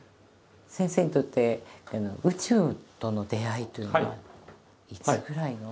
先生にとって宇宙との出会いというのはいつぐらいの？